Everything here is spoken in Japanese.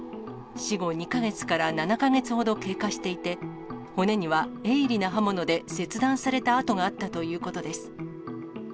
死後２か月から７か月ほど経過していて、骨には鋭利な刃物で切断された痕があったということです。